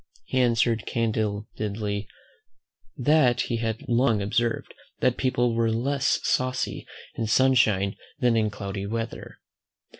He answered candidly, "that he had long observed, that people were less saucy in sunshine than in cloudy weather."